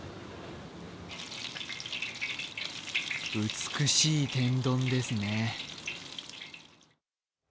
美しい天丼ですね。